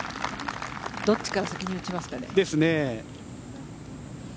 どっちから先に打ちますかね。ですね。